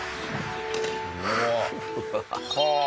はあ！